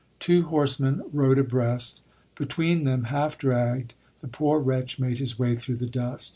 Two horsemen rode abreast; between them, half dragged, the poor wretch made his way through the dust.